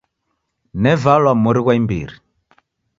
Nevalwa mori ghwa imbiri.